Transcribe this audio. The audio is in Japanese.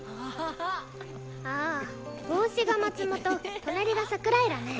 ああ帽子が松本隣が桜井らね。